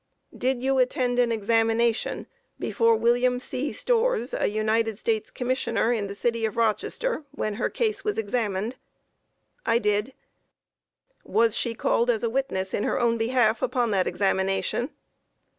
Q. Did you attend an examination before Wm. C. Storrs, a United States Commissioner, in the city of Rochester, when her case was examined? A. I did Q. Was she called as a witness in her own behalf upon that examination?